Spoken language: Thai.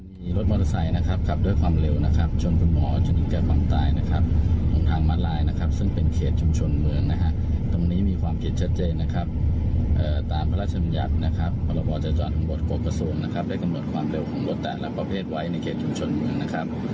มีทอดจำกุกสิบปีปรับสองแสนนะครับ